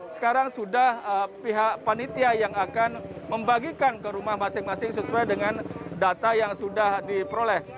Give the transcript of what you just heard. sekarang sudah pihak panitia yang akan membagikan ke rumah masing masing sesuai dengan data yang sudah diperoleh